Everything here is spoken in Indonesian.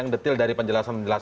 mkd ingin menggunakan tangan golkar